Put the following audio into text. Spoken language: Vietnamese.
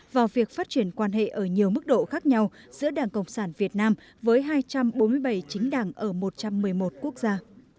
vào việc phát triển quan hệ ở nhiều mức độ khác nhau giữa đảng cộng sản việt nam với hai trăm bốn mươi bảy chính đảng ở một trăm một mươi một quốc gia